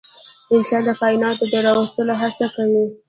انسان د کایناتو د راوستو هڅه کوي.